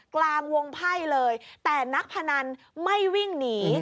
กลางวงไพ่เลยแต่นักพนันไม่วิ่งหนี